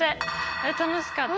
あれ楽しかった。